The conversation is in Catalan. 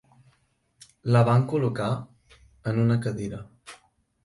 La van col·locar en una cadira.